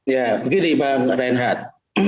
ya begini bang reinhardt